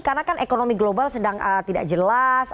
karena kan ekonomi global sedang tidak jelas